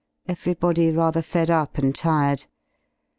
Everybody rather fed up and tired.